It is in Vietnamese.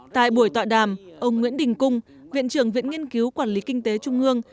tại buổi tọa đàm ông nguyễn đình cung viện trưởng viện nghiên cứu quản lý kinh tế trung ương